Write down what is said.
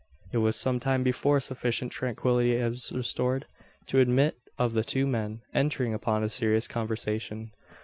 It was some time before sufficient tranquillity was restored, to admit of the two men entering upon a serious conversation.